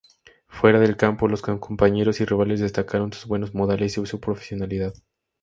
Fuera del campo, los compañeros y rivales destacaron sus buenos modales y su profesionalidad.